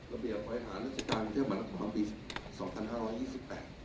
ระเบียบไว้หารัฐการเที่ยวบรรณครบันตรี๒๕๒๘